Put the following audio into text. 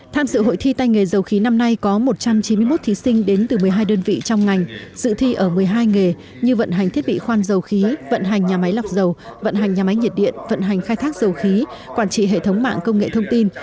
tham dự hội thi tay nghề dầu khí năm nay có một trăm chín mươi một thí sinh đến từ một mươi hai đơn vị trong ngành dự thi ở một mươi hai nghề như vận hành thiết bị khoan dầu khí vận hành nhà máy lọc dầu vận hành nhà máy nhiệt điện vận hành khai thác dầu khí quản trị hệ thống mạng công nghệ thông tin